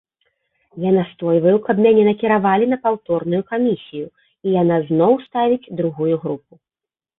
Я настойваю, каб мяне накіравалі на паўторную камісію, і яна зноў ставіць другую групу.